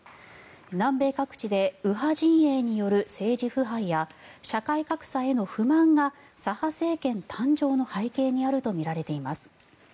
南米各地で右派陣営による政治腐敗や社会格差への不満が左派政権誕生の背景にあるとみられています。